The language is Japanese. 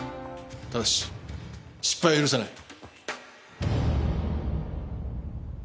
ただし失敗は許さない。